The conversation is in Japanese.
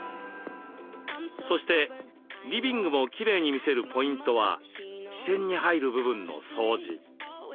そしてリビングもきれいに見せるポイントは視線に入る部分の掃除。